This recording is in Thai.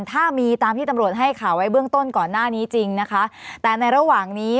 ถ้ามีตามที่ตำรวจให้ข่าวไว้เบื้องต้นก่อนหน้านี้จริงนะคะแต่ในระหว่างนี้